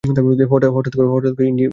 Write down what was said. হঠাৎ করে ইঞ্জিনিয়ার বনে গেলে নাকি?